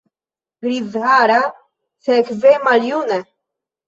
Grizhara, sekve maljuna!